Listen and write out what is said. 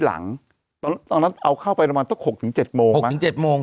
หลังละเอาเข้าไประมัดต้องหกถึงเจ็ดโมงที่เจ็ดโมง